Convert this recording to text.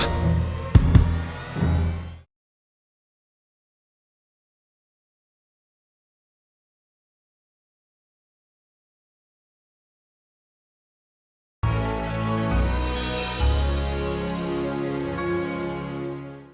dan jangan lupa subscribe